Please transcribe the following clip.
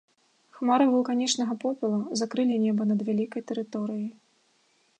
Хмары вулканічнага попелу закрылі неба над вялікай тэрыторыяй.